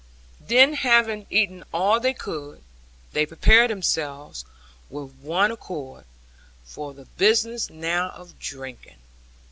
Then having eaten all they could, they prepared themselves, with one accord, for the business now of drinking.